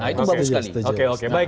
itu bagus sekali